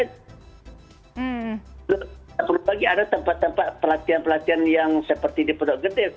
tidak perlu lagi ada tempat tempat pelatihan pelatihan yang seperti di pondok gede